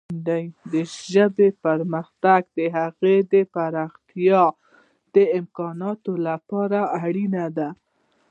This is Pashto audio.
د ژبې پرمختګ د هغې د پراختیا د امکاناتو لپاره اړین دی.